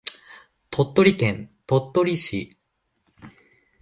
鳥取県鳥取市